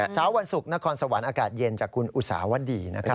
เช้าวันศุกร์นครสวรรค์อากาศเย็นจากคุณอุตสาวดีนะครับ